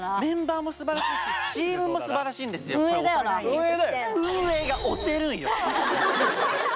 運営だよな。